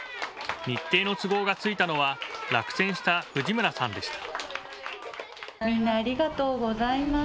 日程の都合がついたのは落選した藤村さんでした。